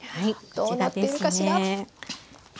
どうなってるかしら？